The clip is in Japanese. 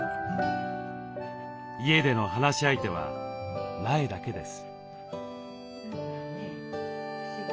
家での話し相手は苗だけです。